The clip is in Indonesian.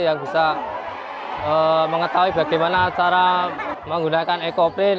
yang bisa mengetahui bagaimana cara menggunakan ecoprint